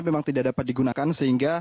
memang tidak dapat digunakan sehingga